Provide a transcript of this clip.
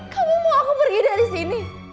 kamu mau aku pergi dari sini